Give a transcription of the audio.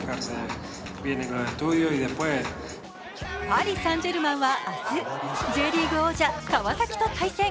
パリ・サンジェルマンは明日、Ｊリーグ王者・川崎と対戦。